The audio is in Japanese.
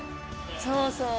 そうそう。